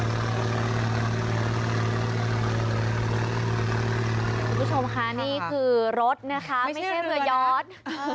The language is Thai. คุณผู้ชมค่ะนี่คือรถนะคะไม่ใช่เรือยอด